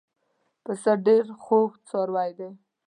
پسه ډېر خوږ څاروی دی.